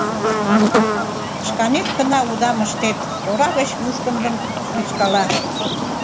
Шканет гына удам ыштет! — тора гыч мушкындым рӱзкала.